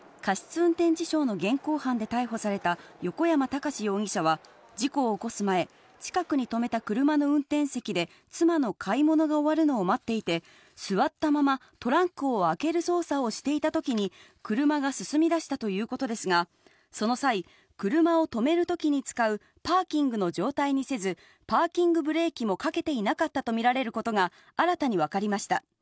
運転致傷の現行犯で逮捕された横山孝容疑者は、事故を起こす前、近くに停めた車の運転席で妻の買い物が終わるのを待っていて、座ったままトランクを開ける操作をしていた時に車が進みだしたということですが、その際、車を止めるときに使うパーキングの状態にせず、パーキングブレーキもかけていなかったとみられることが新たに分かりました。